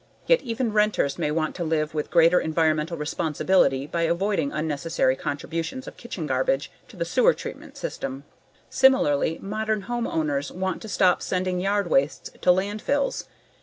Yet even renters may want to live with greater environmental responsibility by avoiding unnecessary contributions of kitchen garbage to the sewage treatment system. Similarly, modern home owners want to stop sending yard wastes to landfills.